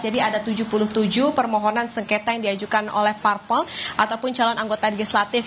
jadi ada tujuh puluh tujuh permohonan sengketa yang diajukan oleh parpol ataupun calon anggota legislatif